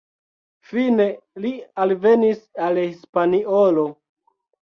Fine li alvenis al Hispaniolo.